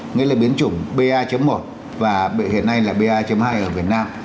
nghĩa là biến chủng ba một và hiện nay là ba hai ở việt nam